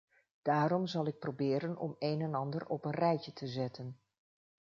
Daarom zal ik proberen om een en ander op een rijtje te zetten.